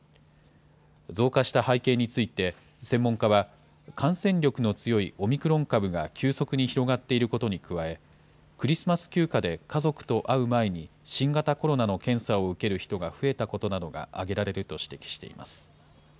増加した背景について専門家は、感染力の強いオミクロン株が急速に広がっていることに加え、クリスマス休暇で家族と会う前に新型コロナの検査を受ける人が増えたことなどが挙げられると指摘しています。